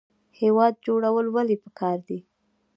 هیواد جوړول ولې پکار دي؟